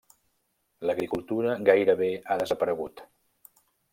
L'agricultura gairebé ha desaparegut.